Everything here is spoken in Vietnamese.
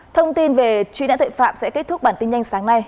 thông tin về truy nãn tội phạm sẽ kết thúc bản tin nhanh sáng nay